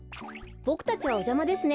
ボクたちはおじゃまですね。